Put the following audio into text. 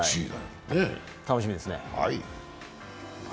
楽しみですね。